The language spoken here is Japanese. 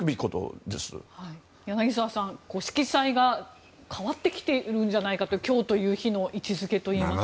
柳澤さん、色彩が変わってきているんじゃないかという今日という日の位置づけといいますか。